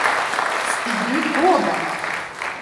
Stig du på bara!